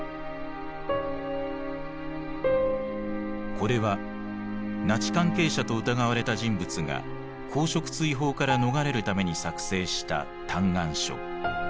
これはナチ関係者と疑われた人物が公職追放から逃れるために作成した嘆願書。